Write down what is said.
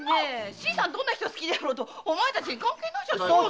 新さんがどんな人を好きだろうとお前たちに関係ないじゃないか。